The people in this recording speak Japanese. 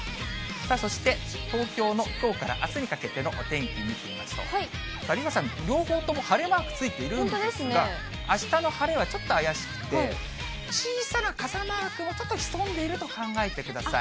そして、東京のきょうからあすにかけてのお天気見てみますと、梨紗さん、両方とも晴れマークついているんですが、あしたの晴れはちょっと怪しくて、小さな傘マークもちょっとひそんでいると考えてください。